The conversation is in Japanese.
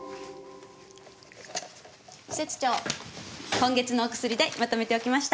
今月のお薬代まとめておきました。